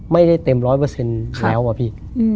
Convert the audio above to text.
เต็มร้อยเปอร์เซ็นต์แล้วอะพี่